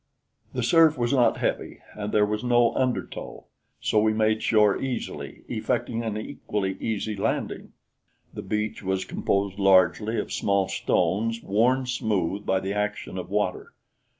The surf was not heavy, and there was no undertow, so we made shore easily, effecting an equally easy landing. The beach was composed largely of small stones worn smooth by the action of water.